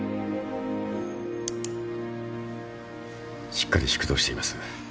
しっかり縮瞳しています。